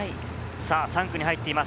３区に入っています。